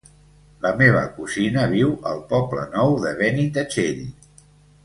La meva cosina viu al Poble Nou de Benitatxell.